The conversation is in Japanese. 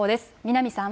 南さん。